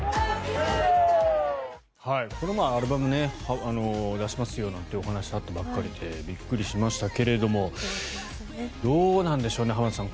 この前、アルバムを出しますよという話があったばかりでびっくりしましたけれどもどうなんでしょうね、浜田さん